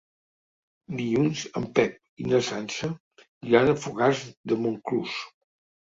Dilluns en Pep i na Sança iran a Fogars de Montclús.